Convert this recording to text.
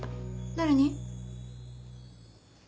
誰に？